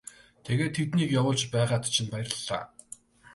Тэгээд тэднийг явуулж байгаад чинь баярлалаа.